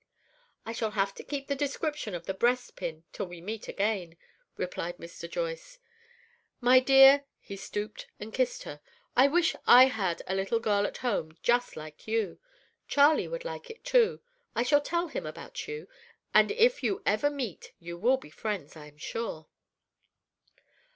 "I shall have to keep the description of the breast pin till we meet again," replied Mr. Joyce. "My dear," and he stooped and kissed her, "I wish I had a little girl at home just like you. Charley would like it too. I shall tell him about you. And if you ever meet, you will be friends, I am sure."